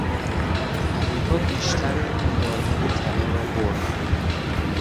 امریکا بیشتر مدالهای طلا را برد.